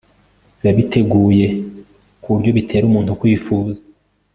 biba biteguye ku buryo bitera umuntu kwifuza